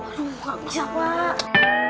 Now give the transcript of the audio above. aduh gak bisa pak